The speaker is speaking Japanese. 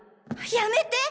やめて！